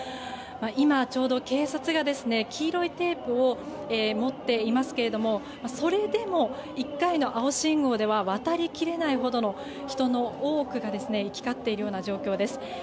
今、ちょうど警察が黄色いテープを持っていますがそれでも１回の青信号では渡り切れないほどの多くの人が行き交っているような状況です。